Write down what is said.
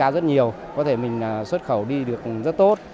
rất nhiều có thể mình xuất khẩu đi được rất tốt